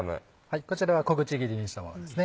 こちらは小口切りにしたものです。